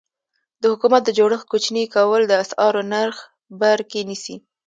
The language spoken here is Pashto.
د حکومت د جوړښت کوچني کول د اسعارو نرخ بر کې نیسي.